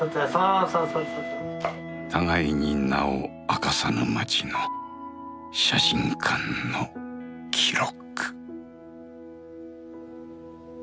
互いに名を明かさぬ街の写真館の記録。